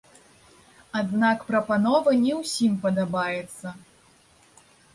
Аднак прапанова не ўсім падабаецца.